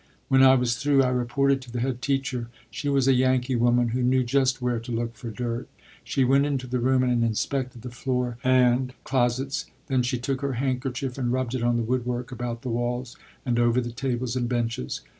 When I was through, I reported to the head teacher. She was a "Yankee" woman who knew just where to look for dirt. She went into the room and inspected the floor and closets; then she took her handkerchief and rubbed it on the wood work about the walls, and over the table and benches.